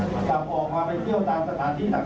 กลับออกมาไปเที่ยวตามสถานที่ต่าง